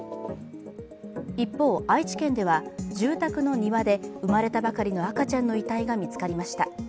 一方、愛知県では住宅の庭で生まれたばかりの赤ちゃんの遺体が見つかりました。